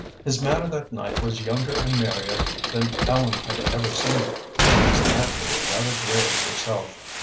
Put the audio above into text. His manner that night was younger and merrier than Ellen had ever seen it. She was naturally rather grave herself.